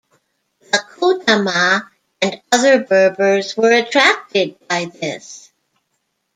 The Kutama and other Berbers were attracted by this.